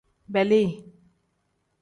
Beeli.